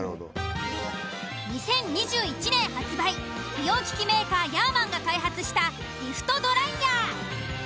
美容機器メーカー「ヤーマン」が開発したリフトドライヤー。